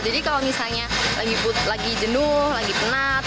jadi kalau misalnya lagi jenuh lagi penat